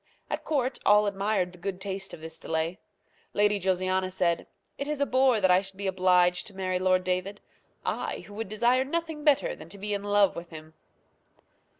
At court all admired the good taste of this delay. Lady Josiana said, "It is a bore that I should be obliged to marry Lord David; I, who would desire nothing better than to be in love with him!"